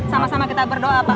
sama sama kita berdoa pak